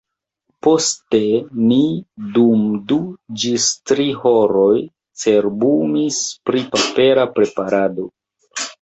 Poste ni dum du ĝis tri horoj cerbumis pri papera preparado.